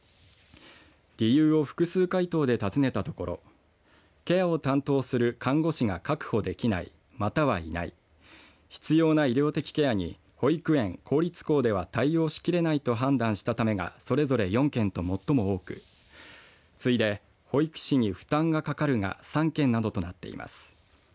理由を複数回答で尋ねたところケアを担当する看護師が確保できないまたはいない必要な医療的ケアに保育園公立校では対応しきれないと判断したためがそれぞれ４件と最も多く次いで、保育士に負担がかかるが３件などとなっています。